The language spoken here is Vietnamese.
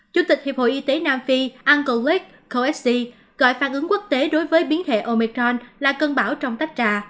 chủ tịch hiệp hội y tế nam phi uncle rick coexi gọi phản ứng quốc tế đối với biến thể omicron là cơn bão trong tách trà